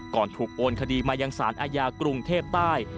ก่อนถูกโอนคดีมายังสารอาญากรุงเทพใต้